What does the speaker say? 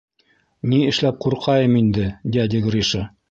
— Ни эшләп ҡурҡайым инде, дядя Гриша.